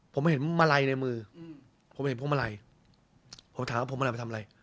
ผมเห็นมาลัยในมือผมเห็นพวงมาลัยผมถามว่าพวงมาลัยไปทำอะไร